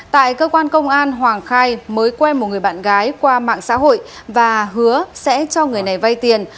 tại cơ quan công an hoàng khai mới quen một người bạn gái qua mạng xã hội và hứa sẽ cho người này vay tiền